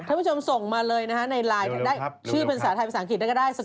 ท่านผู้ชมส่งมาเลยในไลน์ชื่อเป็นศาสาธารณ์ภาษาอังกฤษได้ก็ได้